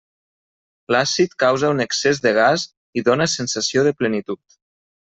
L'àcid causa un excés de gas i dóna sensació de plenitud.